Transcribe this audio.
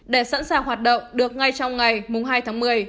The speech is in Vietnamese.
để sẵn sàng hoạt động được ngay trong ngày hai tháng một mươi